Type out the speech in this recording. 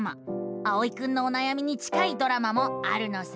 あおいくんのおなやみに近いドラマもあるのさ。